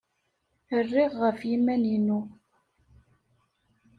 Rriɣ ɣef yiman-inu.